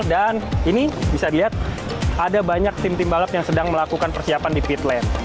dan ini bisa dilihat ada banyak tim tim balap yang sedang melakukan persiapan di pit lane